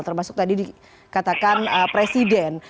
termasuk tadi dikatakan presiden